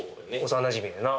幼なじみでな。